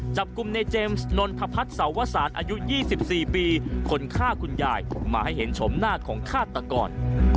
จับกลุ่มในเจมส์นนทพัฒน์สาวสารอายุ๒๔ปีคนฆ่าคุณยายมาให้เห็นชมหน้าของฆาตกร